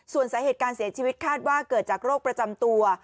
ส่วนสาเหตุการเสียชีวิตคาดว่าเกิดจากโรคประจำตัว